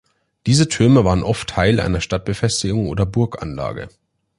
Diese Türme waren oft Teil einer Stadtbefestigung oder Burganlage.